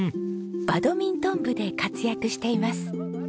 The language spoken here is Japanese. バドミントン部で活躍しています。